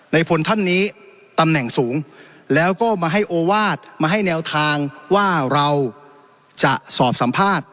พลท่านนี้ตำแหน่งสูงแล้วก็มาให้โอวาสมาให้แนวทางว่าเราจะสอบสัมภาษณ์